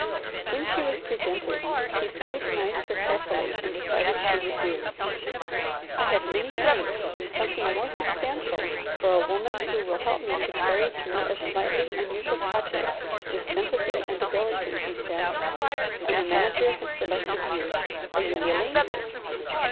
When she was presented he scrutinized her carefully and decided she would do. "I have many thanks and something more substantial for a woman who will help me to carry through a slightly unusual project with sympathy and ability," he said, "and the manager has selected you. Are you willing?"